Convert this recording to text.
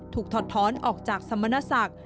ถอดท้อนออกจากสมณศักดิ์